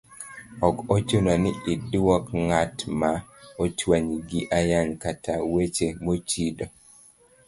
Ok ochuno ni idwok ng'at ma ochwanyi gi ayany kata weche mochido,